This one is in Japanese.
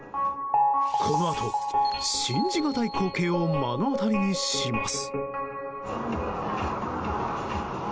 このあと信じがたい光景を目の当たりにします。